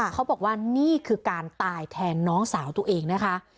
เขาบอกว่านี่คือการตายแทนน้องสาวตัวเองนะคะ